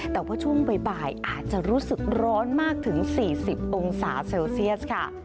แต่ว่าช่วงบ่ายอาจจะรู้สึกร้อนมากถึง๔๐องศาเซลเซียสค่ะ